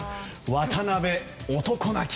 渡邊、男泣き。